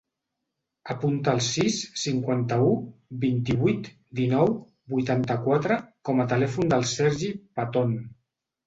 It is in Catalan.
Apunta el sis, cinquanta-u, vint-i-vuit, dinou, vuitanta-quatre com a telèfon del Sergi Paton.